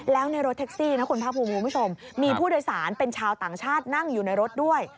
แล้วในรถแท็กซี่มีผู้โดยสารเป็นชาวต่างชาตินั่งอยู่ในรถด้วย